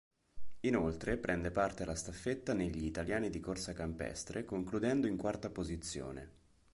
Inoltre prende parte alla staffetta negli italiani di corsa campestre concludendo in quarta posizione.